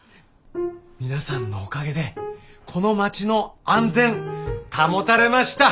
皆さんのおかげでこの町の安全保たれました！